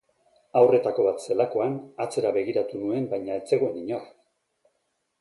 Haurretako bat zelakoan, atzera begiratu nuen baina ez zegoen inor.